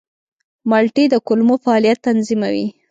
مالټې د کولمو فعالیت تنظیموي.